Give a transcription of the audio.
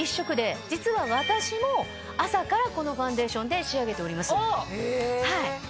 実は私も朝からこのファンデーションで仕上げております。